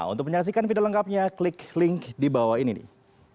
untuk menyaksikan video lengkapnya klik link di bawah ini nih